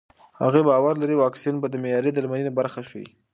هغې باور لري واکسین به د معیاري درملنې برخه شي.